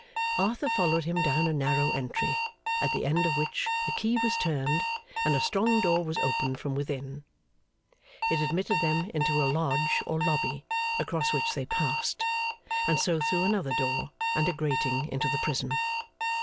Arthur followed him down a narrow entry, at the end of which a key was turned, and a strong door was opened from within. It admitted them into a lodge or lobby, across which they passed, and so through another door and a grating into the prison.